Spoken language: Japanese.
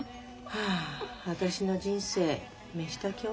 はあ私の人生飯炊き女よ。